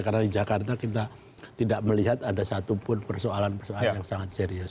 karena di jakarta kita tidak melihat ada satu pun persoalan persoalan yang sangat serius